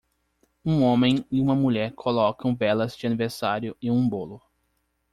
Um homem e uma mulher colocam velas de aniversário em um bolo.